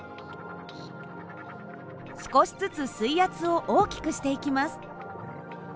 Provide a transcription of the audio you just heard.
少しずつ水圧を大きくしていきます。